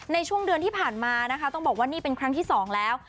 ในช่วงเดือนที่ผ่านมานะคะต้องบอกว่านี่เป็นครั้งที่สองแล้ว